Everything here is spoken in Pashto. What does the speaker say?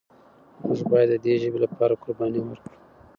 موږ باید د دې ژبې لپاره قرباني ورکړو.